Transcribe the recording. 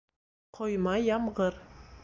Ҡойма ямғыр